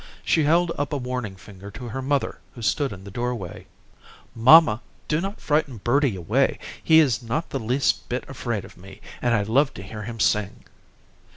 She held up a warning finger to her mother who stood in the doorway. "Mamma, do not frighten birdie away. He is not the least bit afraid of me, and I love to hear him sing."